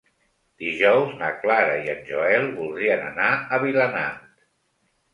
Dijous na Clara i en Joel voldrien anar a Vilanant.